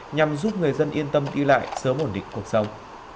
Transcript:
nhằm giúp người dân yên tâm đi lại sớm ổn định cuộc sống